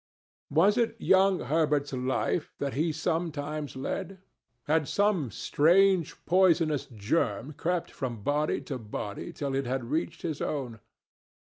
Was it young Herbert's life that he sometimes led? Had some strange poisonous germ crept from body to body till it had reached his own?